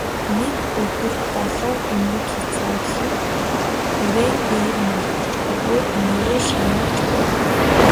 Нэг өдөр долоон эмнэг хязаалан үрээн дээр мордож өгөөд нэг мориор шагнуулж байв.